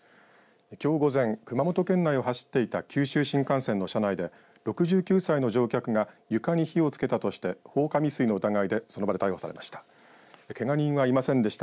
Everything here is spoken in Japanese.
きょう午前、熊本県内を走っていた九州新幹線の車内で６９歳の乗客が床に火をつけたとして放火未遂の疑いでその場で逮捕されました。